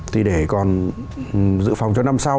thì để còn giữ phòng cho năm sau